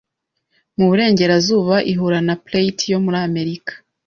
mu burengerazuba ihura na Plate yo muri Amerika